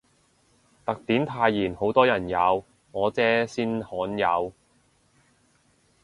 特典泰妍好多人有，我姐先罕有